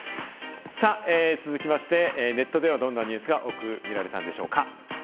続きまして、ネットではどんなニュースが多く見られたんでしょうか？